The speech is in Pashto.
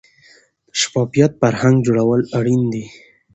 د شفافیت فرهنګ جوړول اړین دي